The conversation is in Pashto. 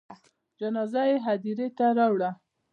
جنازه یې هدیرې ته راوړه.